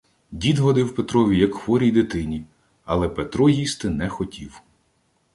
Дід годив Петрові як хворій дитині, але Петро їсти не хотів.